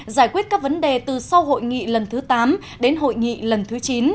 giải quyết các vấn đề từ sau hội nghị lần thứ tám đến hội nghị lần thứ chín